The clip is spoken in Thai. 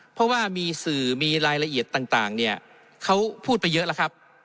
เพราะว่ามีสื่อมีรายละเอียดต่างเนี่ยเขาพูดไปเยอะแล้วครับ